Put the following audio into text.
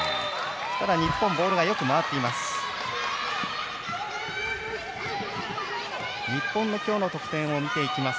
ただ、日本ボールはよく回っています。